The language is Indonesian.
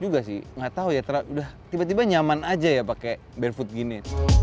gak tau ya tiba tiba nyaman aja ya pakai barefoot gini